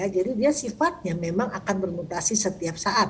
jadi dia sifatnya memang akan bermutasi setiap saat